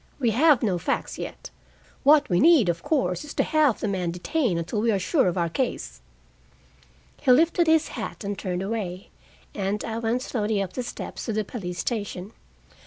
We have no facts yet. What we need, of course, is to have the man detained until we are sure of our case." He lifted his hat and turned away, and I went slowly up the steps to the police station.